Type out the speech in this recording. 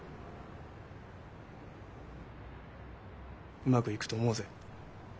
うまくいくと思うぜ。